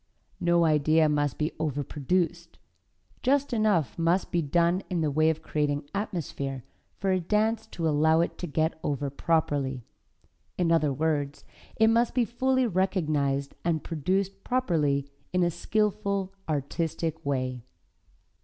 No idea must be overproduced; just enough must be done in the way of creating atmosphere for a dance to allow it to get over properly. In other words, it must be fully realized and produced properly, in a skillful, artistic way.